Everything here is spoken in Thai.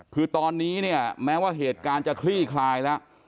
คือตอนนี้เนี่ยแม้ว่าเหตุการณ์จะคลี่คลายแล้ว